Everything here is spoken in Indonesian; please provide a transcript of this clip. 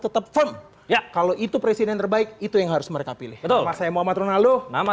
tetap firm ya kalau itu presiden terbaik itu yang harus mereka pilih saya muhammad ronaldo nama